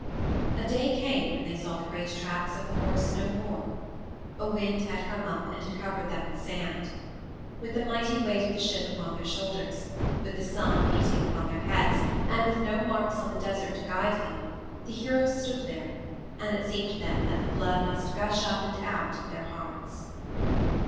A day came when they saw the great tracks of the horse no more. A wind had come up and had covered them with sand. With the mighty weight of the ship upon their shoulders, with the sun beating upon their heads, and with no marks on the desert to guide them, the heroes stood there, and it seemed to them that the blood must gush up and out of their hearts.